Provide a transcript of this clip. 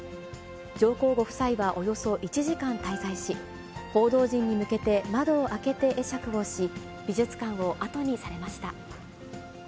上皇ご夫妻はおよそ１時間滞在し、報道陣に向けて窓を開けて会釈をし、美術館を後にされました。